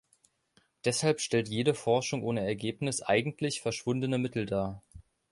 Deshalb stellt jede Forschung ohne Ergebnis eigentlich verschwundene Mittel dar.